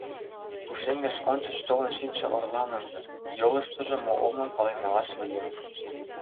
Пушеҥгыш ончыч толын шичше орланын йолыштыжо мо улмым пален налаш лийым.